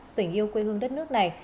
tỉnh yêu quê hương đất nước này